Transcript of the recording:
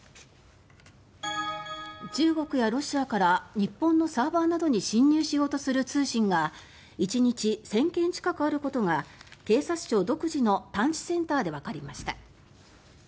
中国やロシアから日本のサーバーなどに侵入しようとする通信が１日１０００件近くあることが警察庁独自の探知センサーでわかりました。